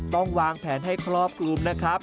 ต้องวางแผนให้ครอบคลุมนะครับ